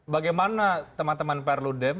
bagaimana teman teman perludem